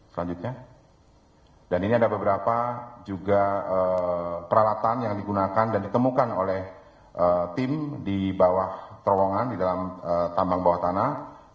selanjutnya dan ini ada beberapa juga peralatan yang digunakan dan ditemukan oleh tim di bawah terowongan di dalam tambang bawah tanah